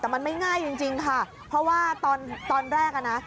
แต่มันไม่ง่ายจริงจริงค่ะเพราะว่าตอนตอนแรกอ่ะนะ